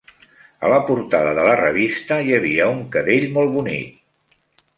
A la portada de la revista hi havia un cadell molt bonic.